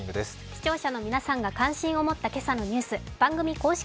視聴者の皆さんが感心を持ったニュース番組公式